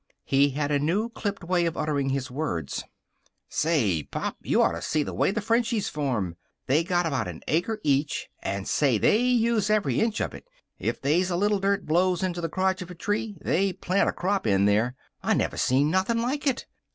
He had a new clipped way of uttering his words: "Say, Pop, you ought to see the way the Frenchies farm! They got about an acre each, and, say, they use every inch of it. If they's a little dirt blows into the crotch of a tree, they plant a crop in there. I never seen nothin' like it.